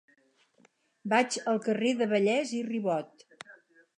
Vaig al carrer de Vallès i Ribot.